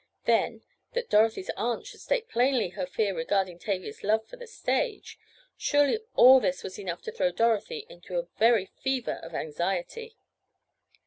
Then, that Dorothy's aunt should state plainly her fear regarding Tavia's love for the stage,—surely all this was enough to throw Dorothy into a very fever of anxiety.